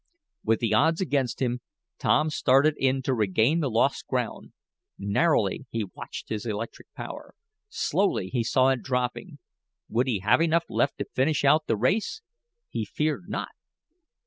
With the odds against him, Tom started in to regain the lost ground. Narrowly he watched his electric power. Slowly he saw it dropping. Would he have enough left to finish out the race? He feared not.